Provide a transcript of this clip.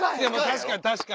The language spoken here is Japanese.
確かに確かにね。